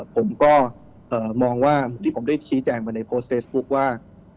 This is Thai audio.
ผมก็มองว่าที่ผมได้ชี้แจงมาในโพสต์เฟซบุ๊คว่า